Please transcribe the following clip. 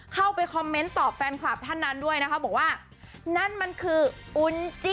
เข้าไปคอมเมนต์ตอบแฟนคลับท่านนั้นด้วยนะคะบอกว่านั่นมันคืออุนจิ